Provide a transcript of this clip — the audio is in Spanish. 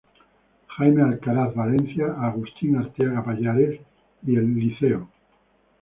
Jaime Alcaraz Valencia, Agustín Arteaga Pallares, y el Lic.